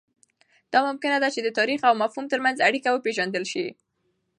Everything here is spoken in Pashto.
دا ممکنه ده چې د تاریخ او مفهوم ترمنځ اړیکه وپېژندل سي.